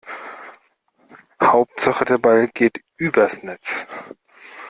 Hauptsache der Ball geht übers Netz.